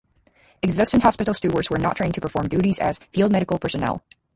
Existing Hospital Stewards were not trained to perform duties as field medical personnel.